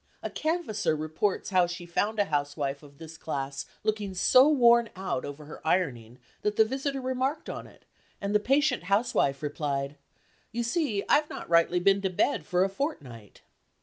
A canvasser reports how she found a housewife of this class looking so worn out over her ironing that the visitor remarked on it, and the patient housewife replied, "You see, I've not been rightly to bed for a fortnight."